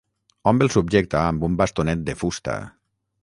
Hom el subjecta amb un bastonet de fusta.